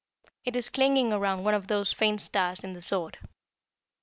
It is clinging around one of the faint stars in the sword.